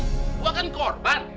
gua kan korban